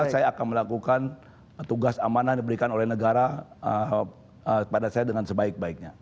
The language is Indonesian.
saya akan melakukan tugas amanah yang diberikan oleh negara pada saya dengan sebaik baiknya